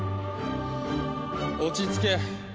落ち着け。